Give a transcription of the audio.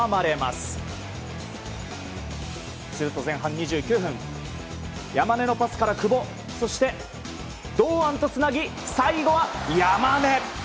すると前半２９分山根のパスから久保そして、堂安とつなぎ最後は山根。